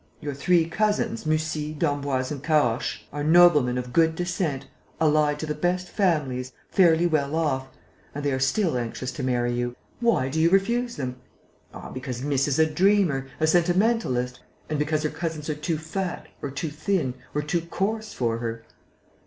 Your three cousins, Mussy, d'Emboise and Caorches, are noblemen of good descent, allied to the best families, fairly well off; and they are still anxious to marry you. Why do you refuse them? Ah, because miss is a dreamer, a sentimentalist; and because her cousins are too fat, or too thin, or too coarse for her...."